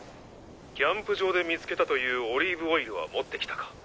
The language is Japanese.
キャンプ場で見つけたというオリーブオイルは持ってきたか？